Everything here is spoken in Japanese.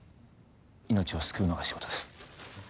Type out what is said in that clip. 命を救うのが仕事です